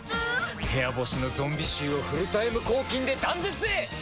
部屋干しのゾンビ臭をフルタイム抗菌で断絶へ！